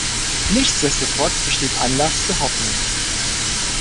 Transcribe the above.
Nichtsdestotrotz besteht Anlass zu Hoffnung.